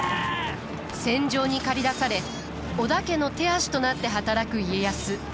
戦場に駆り出され織田家の手足となって働く家康。